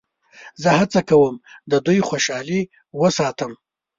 زه هڅه کوم د دوی خوشحالي وساتم.